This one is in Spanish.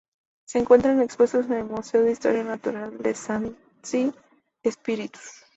Se encuentran expuestos en el Museo de Historia Natural de Sancti Spíritus.